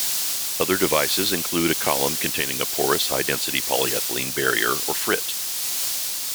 Other devices include a column containing a porous high-density polyethylene barrier or frit.